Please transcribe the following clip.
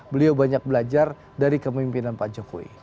beliau banyak belajar dari kemimpinan pak jokowi